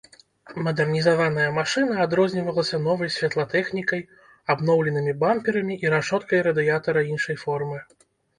Мадэрнізаваная машына адрознівалася новай святлатэхнікай, абноўленымі бамперамі і рашоткай радыятара іншай формы.